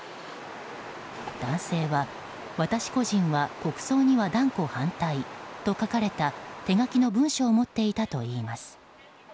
男性は「私個人は国葬には断固反対」と書かれた手書きの文書を持っていたといいます。